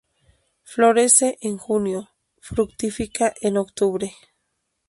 Florece en Junio, fructifica en octubre.